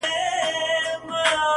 تا څه کوئ اختر د بې اخترو په وطن کي-